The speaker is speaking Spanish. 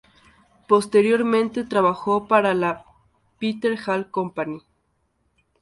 Posteriormente trabajó para la Peter Hall Company.